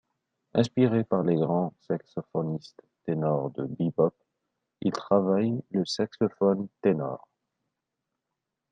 Inspiré par les grands saxophonistes ténor du Bebop, il travaille le saxophone ténor.